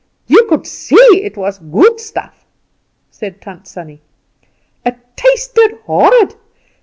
You could see it was good stuff," said Tant Sannie; "it tasted horrid.